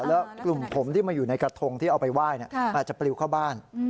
แล้วกลุ่มผมที่มาอยู่ในกระทงที่เอาไปไหว้อาจจะปลิวเข้าบ้าน